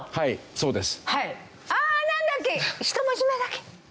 そうです。